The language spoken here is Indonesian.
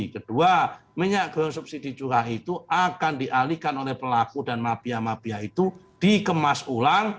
kedua minyak goreng subsidi curah itu akan dialihkan oleh pelaku dan mafia mafia itu dikemas ulang